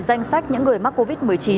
danh sách những người mắc covid một mươi chín